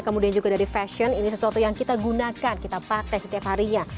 kemudian juga dari fashion ini sesuatu yang kita gunakan kita pakai setiap harinya